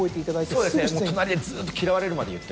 そうですね隣でずっと嫌われるまで言って。